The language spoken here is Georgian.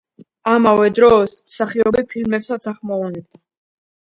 ამავე დროს მსახიობი ფილმებსაც ახმოვანებდა.